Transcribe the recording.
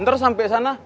ntar sampai sana